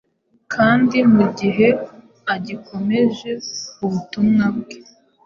kandi mu gihe agikomeje ubutumwa bwe.